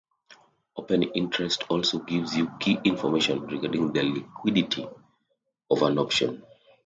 Open interest also gives you key information regarding the liquidity of an option.